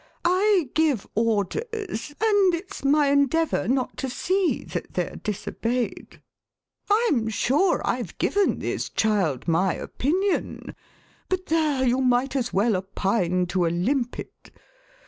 I give orders, and it's my endeavour not to see that they're disobeyed. 19 The Westminster Alice I'm sure I've given this child my Opinion — but there, you might as well opine to a limpet.